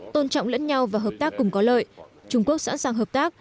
tôn trọng lẫn nhau và hợp tác cùng có lợi trung quốc sẵn sàng hợp tác